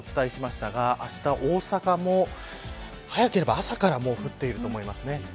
あしたは冷たい雨とお伝えしましたがあした大阪も、早ければ朝から降っていると思います。